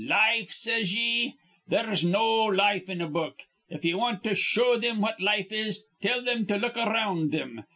Life, says ye! There's no life in a book. If ye want to show thim what life is, tell thim to look around thim.